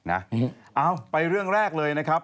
เอาไปเรื่องแรกเลยนะครับ